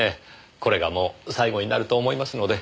これがもう最後になると思いますので。